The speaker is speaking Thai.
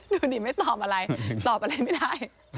ดูดิไม่ตอบอะไรตอบอะไรไม่ได้